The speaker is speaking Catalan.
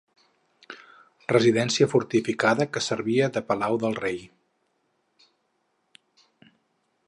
Residència fortificada que servia de palau del rei.